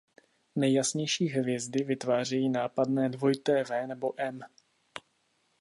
Nejjasnější hvězdy vytvářejí nápadné „W“ nebo „M“.